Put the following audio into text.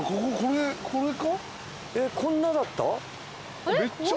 えっこんなだった？